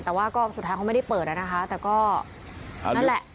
แต่ว่าก็สุดท้ายเขาไม่ได้เปิดนะคะแต่ก็นั่นแหละ